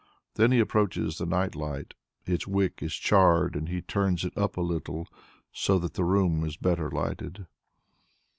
Then he approaches the night lamp. Its wick is charred and he turns it up a little, so that the room is better lighted.